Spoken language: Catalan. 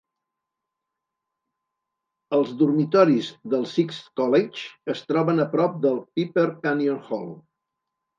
Els dormitoris del Sixth College es troben a prop del Pepper Canyon Hall.